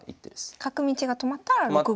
角道が止まったら６五歩を突く。